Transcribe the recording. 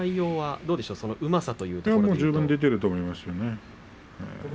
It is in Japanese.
十分出ていると思います。